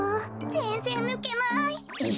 ぜんぜんぬけない。